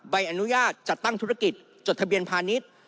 ใบอนุญาตจัดตั้งธุรกิจจดทะเบียนพาณิชย์